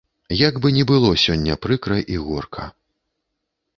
Як бы ні было сёння прыкра і горка.